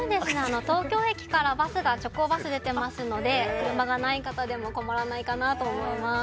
東京駅から直行バスが出ていますので車がない方でも困らないかなと思います。